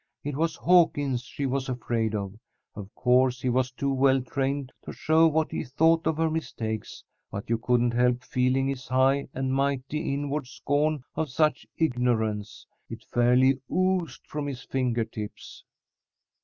It was Hawkins she was afraid of. Of course he was too well trained to show what he thought of her mistakes, but you couldn't help feeling his high and mighty inward scorn of such ignorance. It fairly oozed from his finger tips."